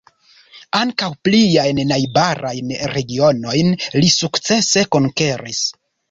Ankaŭ pliajn najbarajn regionojn li sukcese konkeris.